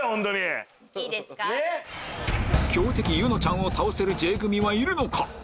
強敵柚乃ちゃんを倒せるＪ組はいるのか？